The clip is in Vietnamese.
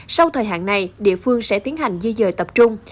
sau thời hạn này địa phương sẽ tiến hành di dời tập trung